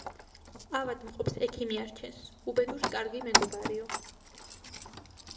ავადმყოფს ექიმი არჩენს, უბედურს ─ კარგი მეგობარიო